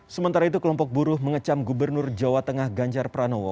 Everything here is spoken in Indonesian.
sementara itu kelompok buruh mengecam gubernur jawa tengah ganjar pranowo